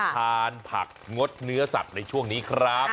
ทานผักงดเนื้อสัตว์ในช่วงนี้ครับ